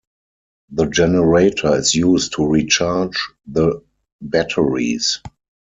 The generator is used to recharge the batteries.